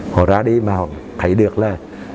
họ ra đi mà họ thấy được là